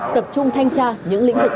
tập trung thanh tra những lĩnh vực